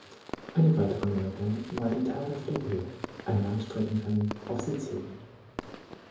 Eine weitere Neuerung war die Targa Florio, ein Langstreckenrennen auf Sizilien.